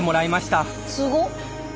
すごっ！